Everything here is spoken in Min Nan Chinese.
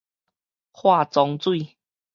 化妝水